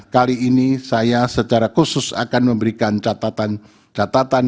kali ini saya secara khusus akan memberikan catatan catatan